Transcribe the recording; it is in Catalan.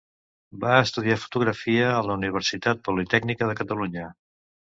Va estudiar fotografia a la Universitat Politècnica de Catalunya.